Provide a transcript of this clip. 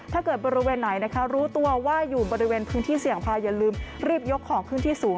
บริเวณไหนนะคะรู้ตัวว่าอยู่บริเวณพื้นที่เสี่ยงพาอย่าลืมรีบยกของขึ้นที่สูง